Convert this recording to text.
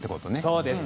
そうです。